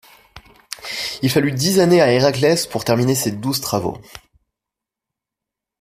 Il fallut dix années à Héraclès pour terminer ces douze travaux.